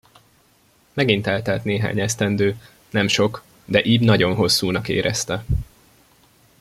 Megint eltelt néhány esztendő; nem sok, de Ib nagyon hosszúnak érezte.